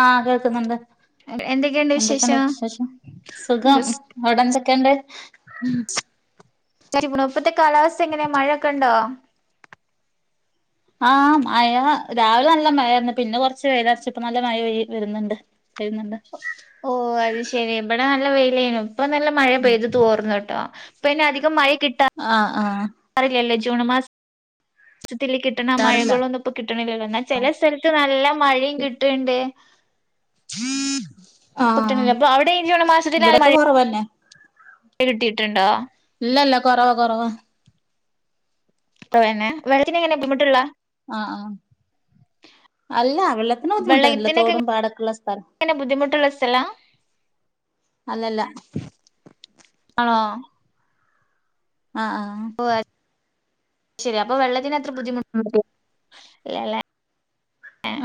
ആഹ് കേൾക്കുന്നുണ്ട് എന്തൊക്കെയുണ്ട് വിശേഷം സുഖം അവിടെ എന്തൊക്കെയുണ്ട് [unintelligible] ഇപ്പത്തെ കാലാവസ്ഥ എങ്ങനെയാ മഴയൊക്കെ ഇണ്ടോ ആഹ് മയ രാവിലെ നല്ല മയയായിരുന്ന് പിന്നെ കൊറച്ച് വെയില് അറിച്ച് ഇപ്പം നല്ല മയ പെ വരുന്നുണ്ട് വരുന്നുണ്ട് ഓഹ് അത് ശെരി ഇബടെ നല്ല വെയിലേന് ഇപ്പൊ നല്ല മഴ പെയ്ത് തോർന്നുട്ടോ പിന്നെധികം മഴ കിട്ടാ ആഹ് ആഹ് അതില്ലല്ലേ ജൂൺ മാസ് സ്ത്തില് കിട്ടണ ട്ടാറില്ല മഴകളൊന്നും ഇപ്പൊ കിട്ടണില്ലല്ലോ എന്ന ചെല സ്ഥലത്ത് നല്ല മഴയും കിട്ട്ണ്ട് ഇപ്പൊ കിട്ടണില്ല അപ്പൊ അവിടെ ഇ ജൂൺ മാസത്തിനാല് മഴ കുറവന്നെ കിട്ടിയിട്ടുണ്ടോ ഇല്ല ഇല്ല കൊറവ കൊറവാ ഇപ്പന്നെ വെള്ളത്തിന്ങ്ങനെ ബുദ്ധിമുട്ടുള്ള ആഹ് ആഹ് അല്ല വെള്ളത്തിന് ബുദ്ധിമുട്ടന്നില്ല തോടും പാടൊക്കെള്ള സ്ഥല [unintelligible] ബുദ്ധിമു ള്ളഷ്ടല്ല അല്ലല്ല ആണോ ആഹ് ആഹ് ഓ അത് ശരി അപ്പൊ വെള്ളത്തിന് അത്ര ബുദ്ധിമുട്ടു [unintelligible] ഇല്ലാലെ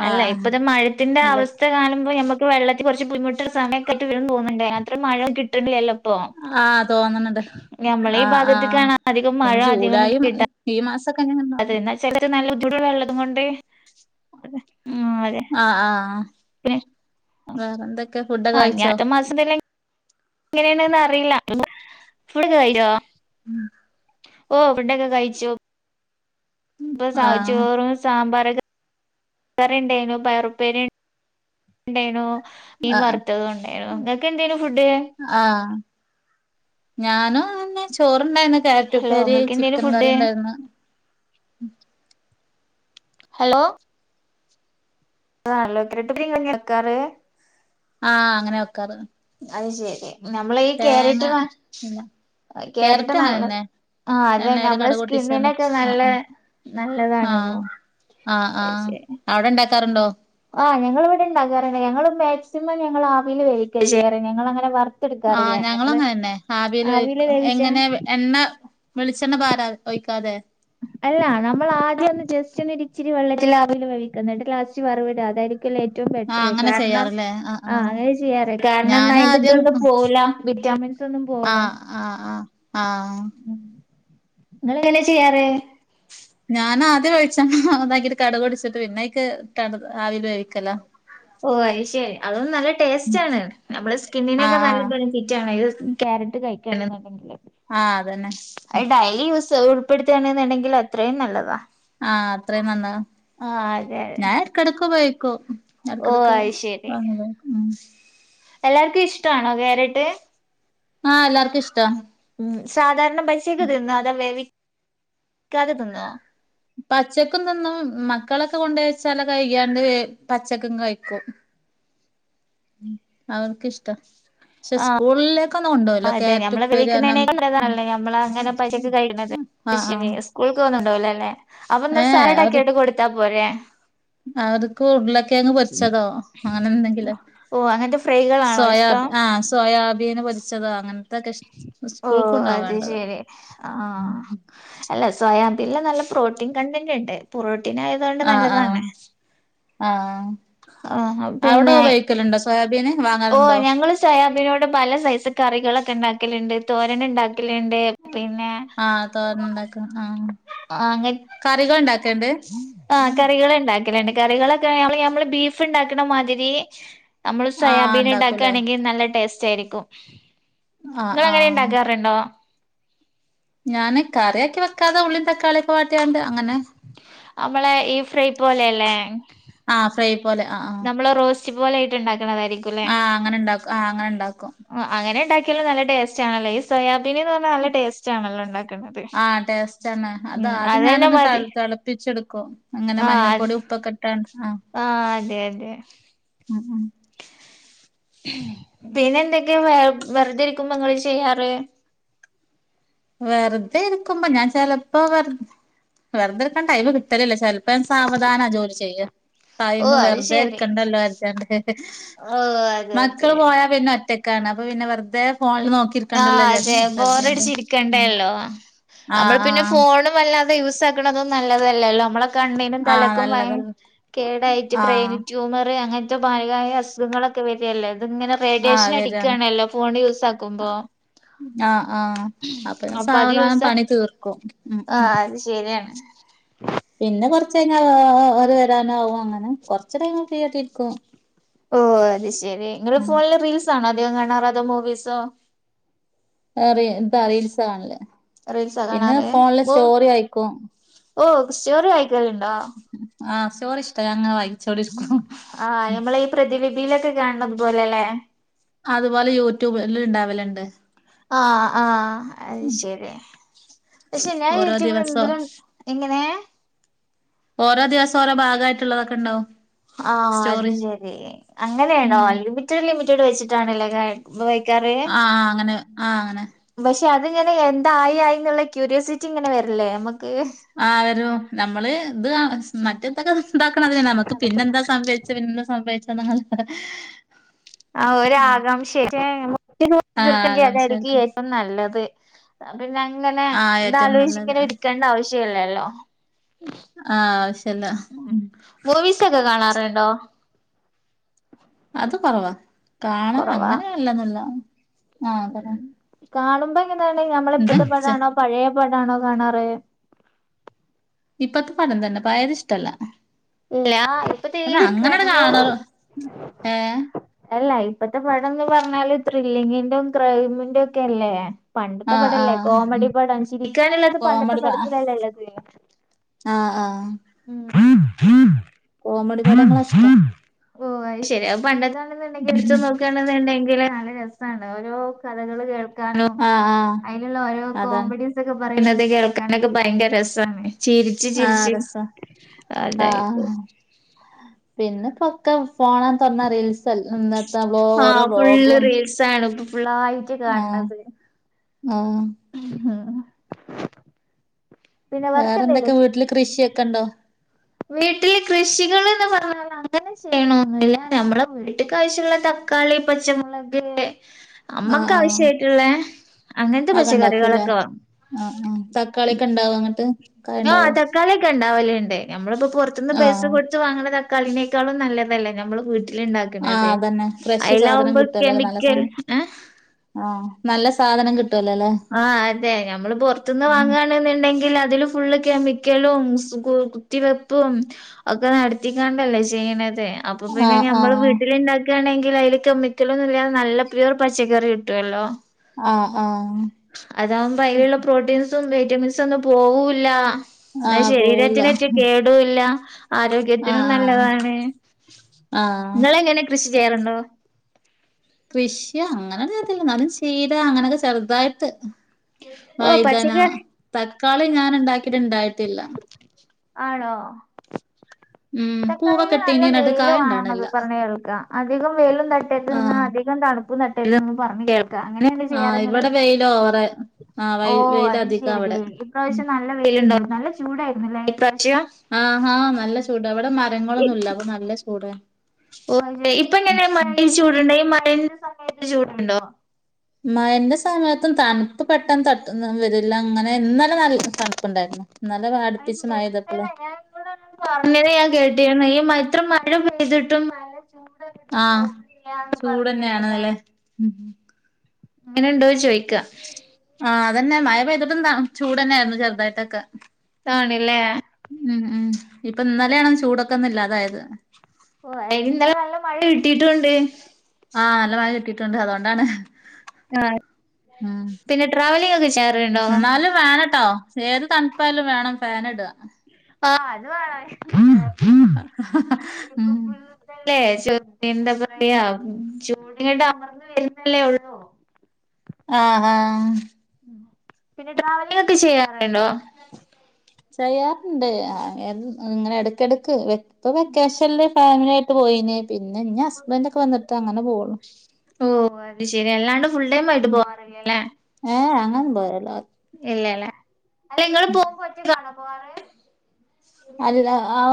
അല്ല ആഹ് ഇപ്പത്തെ മഴത്തിന്റെ ഇല്ലൽ അവസ്ഥ കാണുമ്പോ നമ്മ ഇപ്പോ വെള്ളത്തി കുറച്ച് ബുദ്ധിമുട്ട് സമയൊക്കയ്ട്ട് വരു തോന്നുണ്ട് അത്ര മഴ കിട്ട്ണില്ലല്ലോ ഇപ്പോ ആഹ് തോന്ന്ണ് ണ്ട് നമ്മളെ ഈ ആഹ് ആഹ് ഭാഗത്ത്ക്കാണ് അധികം ഇനി മഴ ജൂലൈ അധികൊന്നു കിട്ടാ ഈ മാസൊക്കങ്ങനെ അതെ എന്നാ ചിലത് നല്ല ബുദ്ധിമുട്ട ഉള്ളതു കൊണ്ട് ഉം അതെ ആഹ് ആഹ് പിന്നെ അഹ് വേറെന്തൊക്കെ ഫുഡൊക്കെ ആഹ് കഴിച്ചോ ആറ്റ മാസ [unintelligible] എങ്ങനാണുന്ന് അറീല [unintelligible] ഉം ഓഹ് ഫുടൊക്കെ കഴിച്ചു ഇപ്പൊ ആഹ് സൗജോറും സാമ്പാർ കറിണ്ടെന്നു പയറുപ്പേരി ഉണ്ടെയിനു മീൻ ആഹ് വർത്തതു ഉണ്ടെയിനു ഇങ്ങക്ക് എന്തേയ്നു ഫുഡ് ആഹ് ഞാനു അത ന്നെ ചോറ്ണ്ടായിന്നു ഹലോ ക്യാരറ്റുപ്പേരി ഇങ്ങക്ക് എന്തേനു ചിക്കൻ കറി ഫുഡ് ഉണ്ടായിരുന്നു ഹലോ ഹലോ [unintelligible] കിക്കാറ് ആഹ് അങ്ങനെ വെക്കാറ് അത് ശെരി നമ്മള ഈ തേങ്ങ കേരട്ട് ന ഇല്ല കേരട്ട് ക്യാരറ്റും നല്ലത് അങ്ങനെന്നെ ആഹ് അതന്നെ എണ്ണേല് നമ്മള കടുക് പൊട്ടിച്ചാണ്ട് സ്കിന്നിനൊക്കെ ആഹ് നല്ല ആഹ് നല്ലതാണ്തോ അ ആഹ് അവ്ടെ ഉണ്ടാക്കാറുണ്ടോ ആഹ് ഞങ്ങളിവിടെ ഇണ്ടാക്കാറ്ട് ഞങ്ങള് മാക്സിമം ഞങ്ങള് ആവീല് വേവിക്ക ചെയ്യാറ് ഞങ്ങളങ്ങനെ വർ ആഹ് ഞങ്ങള് അങ്ങനന്നെ ആവില് ആവിൽ വേവിക്കു വേവിച്ച എങ്ങനെ എണ്ണ വെളിച്ചെണ്ണ പാര ഒഴിക്കാതെ അല്ല നമ്മള് ആദ്യൊന്ന് ജസ്റ്റോന്ന് ഇച്ചിരി വെള്ളത്തിലാവില് വേവിക്ക എന്നിട്ട് ലാസ്റ്റ് വറവിട അതായ ക്കില ഏറ്റവും ആഹ് ബെറ്ററ് അങ്ങനെ കാരണം ചെയ്യാറില്ലേ ആഹ് അങ്ങനെ ചെയ്യാറേ കാരണം ന്നായി ഞാനാദ്യം ഇതൊന്നും പോവൂല വിറ്റാമിൻസ് ഒന്നും പോ ആഹ് ആഹ് ആഹ് ആഹ് ഉം നിങ്ങളെങ്ങനെ ചെയ്യാറ് ഞാൻ ആദ്യം വെളിച്ചെണ്ണ താക്കിട്ട് കടുക് പൊട്ടിച്ചിട്ട് പിന്നയ്ക്ക് കട് ആവീല് വേവിക്കല ഓഹ് അത് ശരി അതൊണ്ട് നല്ല ടേസ്റ്റ് ആണ് നമ്മുടെ സ്കിന്നിനൊക്കെ ആഹ് നല്ല ആഹ് ബെനിഫിറ്റാണ്ത് ക്യാരറ്റ് കഴിക്കണ്ന്ന് ഉണ്ടെങ്കിൽ ആഹ് അതന്നെ ഡെയിലി യൂസ് ഇടുത്തയാണെന്നുണ്ടെങ്കിൽ അത്രയും നല്ലതാ ആഹ് അത്രയും നല്ലതാ ആഹ് അതെ അതെ ഞാൻ ഇടക്കിടക്ക് ഉപയോഗിക്കും ഓ ഇടക്ക്ഇടക്ക് അത് ശരി വാങ്ങി പോക്കും മം എല്ലാർക്കും ഇഷ്ടാണോ ക്യാരറ്റ് ആഹ് എല്ലാർക്കു ഇഷ്ടാ. ഉം സാധാരണ ബൈസേക്ക് തിന്നോ അതോ വേവിക്കാതെ തിന്നോ. പച്ചക്കും തിന്നും മക്കളൊക്കെ കൊണ്ടേച്ചാല് കഴ്ക്യാണ്ട് പച്ചക്കും കഴിക്കും. ഉം അവര്ക്കിഷ്ടാ ക്ഷെ ആഹ് സ്കൂളിലെ ക്കൊന്നും കൊണ്ടോവൂലാ കേരറ്റ് ഉപ്പേരീ അറഞ്ഞാ മ്മളാങ്ങനെ പച്ചക്ക്കഴിക്ണതല്ലെ ആഹ് സ്കൂൾക്കൊന്നും കൊണ്ടോവൂലല്ലേ അപ്പൊ ന്ന ഏഹ് അത് സാലഡാക്ക്യാട്ട് കൊ ട്ത്താ പോരേ. അവർക്ക് ഉർളക്കേങ്ങ് പൊരിച്ചതോ അങ്ങനെ എന്തെങ്കിലു ഓഹ് അങ്ങൻത്തെ ഫു സോയാ ആഹ് സോയാബീൻ പൊരിച്ചതോ അങ്ങൻത്തൊക്കെ ഇഷ് സ്കൂൾക്ക് ഓഹ് അത് കൊണ്ടോവാണ്ടത് ശെരി ആഹ്. അല്ല സോയാബീൻല് നല്ല പ്രോട്ടീൻ കണ്ടന്റ്ണ്ട് പ്രോട്ടീനായ ആഹ് ആഹ് ആഹ് ആഹ് അവടെ ഉപയോഗിക്കല്ണ്ടോ സോ സോയാബീൻ വാങ്ങ ഓഹ് ഞങ്ങള് സോയാബിനോട് പല സൈസ് കറികളൊക്കെ ണ്ടാക്കല്ണ്ട് തോരന് ണ്ടാക്കല്ണ്ട് പിന്നെ ആഹ് തോരനുണ്ടാക്കാൻ ആഹ് അങ്ങെ കറികൾ ഉണ്ടാക്കേണ്ട് ആഹ് കറികള്ണ്ടാക്കല്ണ്ട് കറികളൊക്കെ നമ്മള് ബീഫ് ണ്ടാക്കണ മാതിരി നമ്മള്. ആഹ് ഉണ്ടാക്കൂലേ സോയാബീൻണ്ടാക്കാണെങ്കി നല്ല ടേസ്റ്റായിരിക്കും ആഹ് ങ്ങളങ്ങനെ ആഹ് ണ്ടാക്കാറ്ണ്ടോ. ഞാന് കറിയാക്കി വെക്കാതെ ഉള്ളീ തക്കാളിയൊക്കെ വാട്ടിയാണ്ട് അങ്ങനെ. അമ്മളെ ഈ ഫ്രൈ പോലെയല്ലേ. ആഹ് ഫ്രൈ പോലെ ആഹ്. നമ്മള് റോസ്റ്റ് പോലായിട്ട് ഉണ്ടാക്കുന്നതായിരി ആഹ് അങ്ങനെണ്ടാ ആഹ് അങ്ങനെണ്ടാക്കും. ആഹ് അങ്ങനെണ്ടാക്കിയാലും നല്ല ടേസ്റ്റാണല്ലോ ഈ സോയാബീന് ന്ന് പറഞ്ഞാ നല്ല ടേസ്റ്റ് ആണല്ലോ ണ്ടാ ആഹ് ടേസ്റ്റാണ്. അതാ അത് അതന്നെ ഞാനൊന്ന് മതി തൾ തൾപ്പിച്ചെടുക്കും അങ്ങനെ ആഹ് മഞ്ഞപ്പൊടി ഉപ്പൊക്കെ ട്ട് ആഹ്. ആഹ് അതെ, അതെ. ഉം, ഉം. പിന്നെ എന്തൊക്കേ വ വെർതെ ഇരിക്കുമ്പോ ങ്ങള് ചെയ്യാറ്. വെർതെരിക്കുമ്പോ ഞാൻ ചെലപ്പോ വെർ വെർതെരിക്കാൻ ടൈമ് കിട്ടലില്ലാ ചെൽ പ്പ ഞാ സാവധാനാ ജോലി ചെയ്യല് ടൈമ് ഓഹ് അത് വെറുതെ ശരി ഇരിക്കണ്ടല്ലോര്ത്യാണ്ട്. ഓഹ് അതെ മക്കള് അതെ പോയാ പിന്നെ ഒറ്റക്കാണ് അപ്പൊ പിന്നെ വെർതെ ഫോണില് നോക്കിയിരിക്കണ്ടല്ലോചാരിച് കെര്ത്യാണ്ട്. ക്കണ്ടല്ലോ നമ്മള് പിന്നെ ആഹ് ഫോണ് വല്ലാതെ യൂസാക്ക്ണതും നല്ലതല്ലല്ലോ മ്മളെ കണ്ണിനും ആഹ് തലക്കും ഭയ നല്ലതല്ല കേടായിട്ട് ആഹ് ബ്രെയിന് ട്യൂമറ് അങ്ങനത്തെ ഭായകായ അസുഖങ്ങളൊക്കെ വരല്ലേ ത്ങ്ങനെ റേഡിയേഷൻ ആഹ് വരാണ് അടിക്കാണല്ലോ ഫോണ് യൂസാക്കു ആഹ് ആഹാ അപ്പൊ സാവധാനം പണി തീർക്കും ഉം, ഉം. ശെരിയാണ്. പിന്നെ കൊറച്ച് കയ്ഞ്ഞാ ഓ ഓ ഓര് വരാനാവും അങ്ങനെ കൊറച്ച് ടൈമ് ഫ്രീ ആയിട്ടിരിക്കും. ഓഹ് അത് ശെരി. ഇങ്ങള് ഫോണില് റീൽസാണോ അധികം കാണാറ് അതോ മൂവീ സൊ? ഏഹ് റി ഇതാ റീൽസാ കാണല്. റീൽസാ പിന്നെ കാണാറ് ഫോണിലെ സ്റ്റോറി വായിക്കും. ഓഹ് സ്റ്റോറി വായിക്കല്ണ്ടോ? ആഹ് സ്റ്റോറി ഇഷ്ടാ. ഞാന്ങ്ങനെ വായി ആഹ് ഞമ്മളെ ഈ പ്രതിലിപിലൊക്കെ കാണ് ണത് പോലെ ല്ലേ. അതുപോലെ യൂട്യൂബ് ല് ഇണ്ടാവല്ണ്ട്. ആഹ്, ആഹ് അഹ് ശെരി. പക്ഷെ ഞാൻ ഓരോ യൂറ്റൂബിലും ദിവസം ഇതിലും എങ്ങനെ? ഓരോ ദിവസം ഓരോ ഭാഗായിട്ടുള്ളതൊക്കെ ഇണ്ടാവും. ആഹ് അത് സ്റ്റോറി ശെരി അങ്ങനേണോ ഉം യൂ റ്റിഡ് ലിമിറ്റഡ് വെച്ചിട്ടാണ്ല്ലേ കെ ഉപയോഗിക്കാറ് ആഹ് അങ്ങന് ആഹ് അങ്ങനെ. പക്ഷെ അത്ങ്ങനെ എന്തായി ആയി ന്ന്ള്ളെ ക്യൂരിയോസിറ്റി ഇങ്ങനെ വര്ല്ലേ ഞമ്മക്ക്. ആഹ് വരും. നമ്മള് ഇത് മറ്റേ തൊക്കെ ഇതാക്ക്ണ മാതിരിയെന്നെ നമ്മക്ക് പിന്നെന്താ സംഭവിച്ചെ പിന്നെന്താ സംഭവിച് [unintelligible] [inaudible] ആഹ് ഒരു ആകാംക്ഷ ആയിരിക്കും. ആഹ് [unintelligible] ആകാംക്ഷ അതായിരിക്കും ആയിരിക്കും. ഏറ്റവും നല്ലത്. പിന്നെ അങ്ങനെ ആഹ് ഏറ്റവും ഇതാലോയ്ച്ച് നല്ലത് ഇങ്ങനെ ഇരിക്കണ്ട ആവശ്യെല്ലല്ലോ. ആഹ് ആവശ്യല്ല. മൂവിസ് ഒക്കെ കാണാറ്ണ്ടോ? അത് കൊറവാ കാണാ കുറവാ അങ്ങനെ കാണലൊന്നുല്ല. ആഹ് പറ കാണുമ്പോ എങ്ങനാണ് ഞമ്മളെ എന്താ ഇപ്പത്തെ ചെ പടാണോ പഴയ പടാണോ കാണാറ്? ഇപ്പത്തെ പടം തന്നെ പയേത് ഇഷ്ടല്ല. ഇല്ല ഇപ്പത്തെ ഈ പിന്നെ അങ്ങനെട് ക്രൈമോ കാണലും, ഏഹ്? അല്ല ഇപ്പത്തെ പടംന്ന് പറഞ്ഞാല് ത്രില്ലിങ്ങിന്റെതും ക്രൈമിന്റെതും ഒക്കെ അല്ലേ. പണ്ടത്തെ ആഹ് പടംല്ലേ ആഹ് കോമഡി പടം ചിരിക്കാന്ള്ളത് പണ്ടത്തെ കോമഡി പ പടത്തിലല്ലെ ഇള്ളത്. ആഹ് ആഹ്. കോമഡി പടങ്ങളാ ഇഷ്ടം ഓഹ് അഹ് ശെരി അഹ് പണ്ടത്തെ ണ്ന്ന്ണ്ടെങ്കി ഇട്ത്ത് നോക്കാന്ന്ണ്ടെങ്കില് നല്ല രസാണ് ഓരോ കഥകള് കേൾ ക്കാനും ആഹ് ആഹ് അയ്ല്ള്ള ഓരോ അതാണ് കോമഡി സൊക്കെ പറിണത് കേൾക്കാനൊക്കെ ഭയങ്കര രസാണ്. ചിരി ആഹ് രസാ. അതായത് പിന്നെപ്പൊ ഒക്കെ ഫോണാണ്ട് തൊർന്നാ റീൽസ് സൽ ഇന്നത്തെ വ്ലോ ഓരോ ആഹ് ഫുള്ള് വ്ലോഗും റീൽസാണ് ഇപ്പൊ ഫുള്ളായിട്ട് ആഹ് ആഹ്. ആഹ്. വേറെന്തൊക്കെ വീട്ടില് കൃഷിയൊക്കെണ്ടോ? വീട്ടില് കൃഷികള്ന്ന് പറഞ്ഞാൽ അങ്ങനെ ചെയ്യണോന്നില്ല നമ്മളെ വീട്ട്ക്ക് ആവശ്യള്ള ത ക്കാളി, പച്ചമുളക് ആഹ് നമ്മക്ക് ആഹ് ആവശ്യായ്ട്ട്ള്ളേ അങ്ങൻത്തെ അതൊക്കെ ഉണ്ടാക്കൂല്ലേ പച്ചക്കറികളൊക്കെ വാങ്ങും. ആഹ് ആഹ് തക്കാളിയൊക്കെ ഇണ്ടാവൊ ഇങ്ങട്ട്? ആ തക്കാളി ഒക്കെ ഇണ്ടാവല്ണ്ട് നമ്മളിപ്പൊ പൊറത്ത്ന്ന് പൈസ ആഹ് കൊട് ത്ത് വാങ്ങ്ണ തക്കാളിനെക്കാളും നല്ലതല്ലെ ഞമ്മള് വീട്ടില് ഇണ്ടാ ആഹ് ക്ക്ണത് അതന്നെ ഫ്രഷ് സാധനം അയിലാവുമ്പോ കിട്ടുവല്ലോല്ലേ നല്ല കെമിക്കൽ സാധനം ഏഹ് ആഹ് നല്ല സാധനം കിട്ടുവല്ലേ അല്ലേ ആഹ് അതെ ഞമ്മള് പൊറത്ത്ന്ന് വാങ്ങാൻ - ന്ന്ണ്ടെങ്കില് അതില് ഫുള്ള് കെമിക്കലും കുത്തിവെപ്പും- ഒക്കെ നടത്തിക്കാണ്ടല്ലേ ചെയ്യണത് അപ്പൊ പിന്നെ ആഹ് ഞമ്മള് ആഹ് വീട്ടിലിണ്ടാക്കി - ക്കാണങ്കി അയ്ല് കെമ്മിക്കലൊന്നുല്ലാ നല്ല പ്യൂർ പച്ചക്കറി കിട്ടോല്ലോ ആഹ് ആഹ് അതാവുമ്പോ അയിലുള്ള പ്രോട്ടീൻസും വൈറ്റമിൻസും ഒന്നും പോവൂല്ല എന്നാ ആഹ് പോവൂല ശരീരത്തിനറ്റു കേടുയില്ല ആരോഗ്യത്തിനും നല്ലതാണ് ആഹാ ഇങ്ങളെങ്ങനെ കൃഷി ചെയ്യാറ്ണ്ടോ കൃഷി അങ്ങനെന്നും ചെയ്യത്തില്ല എന്നാലും ചീരാ അങ്ങനൊക്കെ ചെറ്തായിട്ട് ഓഹ് വൈതന പച്ചക്കറി തക്കാളി ഞാന് ഇണ്ടാക്കിട്ട് ഇണ്ടായിട്ടില്ല ആണോ ഉം തക്കാളിക്ക് പൂവൊക്കെ നല്ല ഇട്ടീനി എന്നിട്ട് വെയില് കായ വേണം ഇണ്ടാവണില്ല എന്നൊക്കെ പറഞ്ഞ് കേൾക്കാം. അധികം വെയിലും തട്ടരുതെന്ന്, ആഹ് അധികം തണുപ്പും തട്ടര്തെന്ന് പറഞ്ഞ് കേൾ അങ്ങനെയെല്ലെ ചെയ്യാറ് ആഹ് നിങ്ങള് ഇവിടെ വെയില് ഓവറ് ആഹ് വൈ ഓഹ് വെയില് അത് അധികാ ശരി അവിടെ ഉം ഇപ്രാവശ്യം നല്ല ഉം വെയിലുണ്ടാരുന്നു നല്ല ചൂടായിരുന്നില്ലേ ഇപ്രാവിശ്യം. ആഹാ നല്ല ചൂട ഇവിടെ മരങ്ങളൊന്നുല്ല അപ്പൊ നല്ല ചൂട ഓ ഇപ്പൊ എങ്ങെനെയാ മഴയിൽ ചൂടുണ്ടോ ഈ മഴന്റെ സമയത്ത് ചൂടുണ്ടോ? മഴന്റെ സമയത്തും തണുപ്പ് പെട്ടെന്ന് തട്ടുന്ന് വരില്ല, അങ്ങനെ ഇന്നെലെ നല്ല തണുപ്പുണ്ടായിരുന്നു. നല്ല വാടിപ്പിച്ചു [unintelligible] മയതപ്പലെ. നിങ്ങള് പറഞ്ഞത് ഞാൻ കേട്ടിരുന്നു ഈ ഇത്ര മഴ പെയ്തിട്ടും മഴ- ആഹ് ചൂട് കേട്ട് തന്നെയാണ് നല്ലെ എങ്ങനെ ഉണ്ടോന്ന് ചോയിക്ക ആഹ് അത് തന്നെ മഴ പെയ്തിട്ടും ത ചൂട് തന്നെ ആയിരുന്നു ചെറുതായിട്ടൊക്കെ. ആണില്ലേ ഉം ഉം ഇപ്പൊ ഇന്നലെയാണ് ചൂടൊക്കെ ഒന്നില്ലാതായത്. ഓ അയിന് ഇന്നലെ നല്ല മഴ കിട്ടിട്ടും ഉണ്ട്. ആഹ്, നല്ല മഴ കിട്ടിയിട്ടുണ്ട് അതുകൊണ്ടാണ്. ആഹ് ഉം പിന്നെ ട്രാവലിംഗ് ഒക്കെ ചെയ്യാറുണ്ടോ? ഫാൻ ഇട്ടോ ഏത് തണുപ്പായാലും വേണം ഫാന് ഇടുക ആഹ് അത് വേണംഅ [unintelligible] ഉം പ്പല്ലേ... എന്താ പറയാ ചൂടി [unintelligible] ൻ്റെ അമ്യത് വരുന്നല്ലേ ഉള്ളൂ. ആഹ് ആഹ് പിന്നെ ട്രാവലിംഗ് ഒക്കെ ചെയ്യാറുണ്ടോ? ചെയ്യാറുണ്ട് ഇങ്ങനെ എടക്കെടുക്ക്‌ വെ ഇപ്പൊ വെക്കേഷനില് ഫാമിലി ആയിട്ട് പോയിന്, പിന്നെ ഇഞ്ഞ് ഹസ്ബൻ്റ് ഒക്കെ വന്നിട്ട് അങ്ങനെ പോകുള്ളു. ഓ അത് ശെരി അല്ലാണ്ട് ഫുൾ ടൈം ആയിട്ട് പോവാറില്ലേ ഇല്ലേ ഏഹ് അങ്ങനെന്നും പോവയില്ല ഇല്ല ഇല്ല അല്ല നിങ്ങള് പോകുമ്പോ ഒറ്റക്കാണോ പോവാറ്? അല്ല, ആ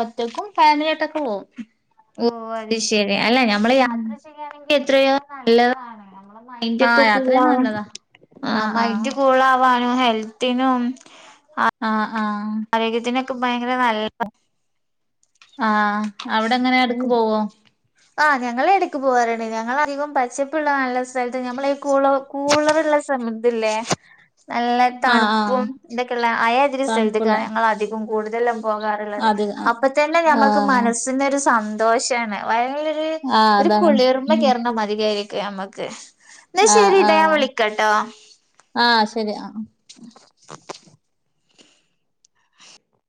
ഒറ്റക്കും ഫാമിലി ആയി ട്ടൊക്കെ പോവും. ഓ അത് ശരി അല്ല നമ്മള് ഉം യാത്ര ചെയ്യാനെങ്കിൽ എത്രയോ നല്ലതാണ്. നമ്മളെ മൈൻഡ് ഒക്കെ ആഹ് യാത്ര കൂൾ ചെയ്യുന്നത് ആവാൻ നല്ലതാ ആഹ് ആഹ് മൈൻഡ് കൂള ആവാനും ഹെൽത്തിനും ആഹ് ആഹ് ആരോഗ്യത്തിനൊക്കെ ഭയങ്കര നല്ല ആഹ് അവിടെ എങ്ങനെ എടക്ക് ഉം പോവോ? ആഹ് ഞങ്ങള് എടക്ക് പോവാറ്ണ്ട് ഞങ്ങള അധികം പച്ചപ്പുള്ള നല്ല സ്ഥലത്ത് നമ്മള ഈ കൂളോ കൂളറുള്ള സമയത് ല്ലേ നല്ല ആഹ് ആഹ് തണുപ്പും ഇതൊക്കെയള്ള അയാതിരി സ്തൽത് തണുപ്പുള്ള അധികം കൂടുതലും പോകാറുള്ളത് അതെ അപ്പൊ തന്നെ ഞമ്മക്ക് ആഹ് മനസ്സിനു ഒരു സന്തോഷാണ്. ഭയങ്കൊരു ആഹ് ഒരു അതാണ്. കുളിർമ കേറുന്ന മതികായിരിക്കും നമ്മക്ക്. ആഹ് ആഹ് ആഹ് ശരി ആഹ്